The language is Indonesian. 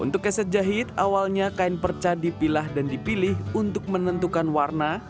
untuk keset jahit awalnya kain perca dipilah dan dipilih untuk menentukan warna